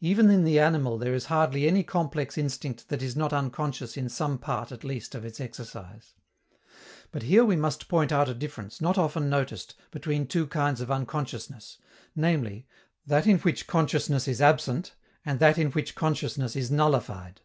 Even in the animal there is hardly any complex instinct that is not unconscious in some part at least of its exercise. But here we must point out a difference, not often noticed, between two kinds of unconsciousness, viz., that in which consciousness is absent, and that in which consciousness is nullified.